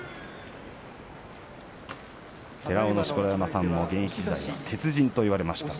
寺尾の錣山さんも現役時代鉄人といわれました。